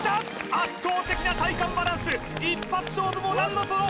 圧倒的な体幹バランス一発勝負もなんのその！